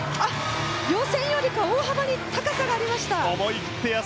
予選よりか大幅に高さがありました。